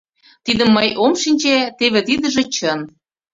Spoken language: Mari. — Тидым мый ом шинче, теве тидыже чын.